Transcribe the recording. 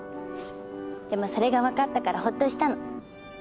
でもそれが分かったからほっとしたの。